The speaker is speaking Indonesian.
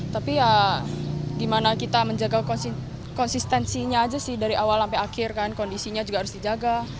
tapi ya gimana kita menjaga konsistensinya aja sih dari awal sampai akhir kan kondisinya juga harus dijaga